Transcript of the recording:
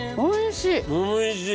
おいしい！